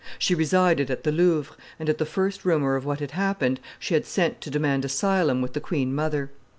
She resided at the Louvre, and, at the first rumor of what had happened, she had sent to demand asylum with the queen mother.